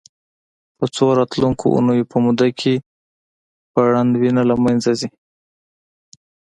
په څو راتلونکو اونیو په موده کې پرڼ وینه له منځه ځي.